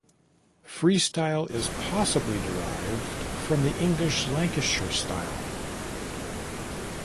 Freestyle is possibly derived from the English Lancashire style.